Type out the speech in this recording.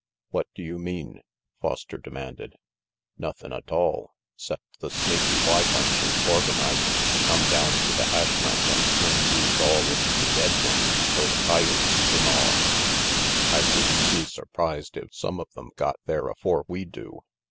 "What do you mean?" Foster demanded. "Nothin' atoll, 'cept the Snaky Y bunch is organ izing to come down to the Hash Knife and turn youse all into dead ones fer the coyotes to gnaw. I would'n be surprised if some of them got there afore we do."